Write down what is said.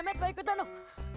memet gue ikutan dong